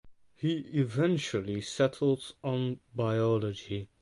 He eventually settled on biology.